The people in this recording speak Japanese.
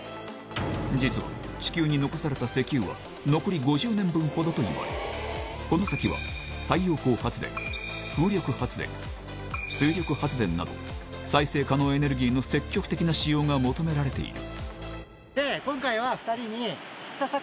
実は地球に残された石油は残り５０年分ほどといわれこの先はなど再生可能エネルギーの積極的な使用が求められている今回は２人に。